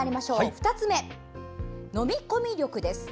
２つ目、飲み込み力です。